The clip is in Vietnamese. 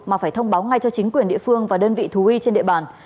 mà phải thông báo ngay cho chính quyền địa phương và đơn vị thú y trên địa bàn